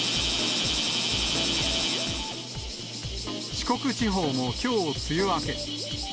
四国地方もきょう、梅雨明け。